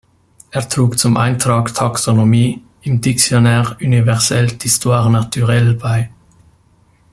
Er trug zum Eintrag „Taxonomie“ im "Dictionnaire universelle d’histoire naturelle" bei.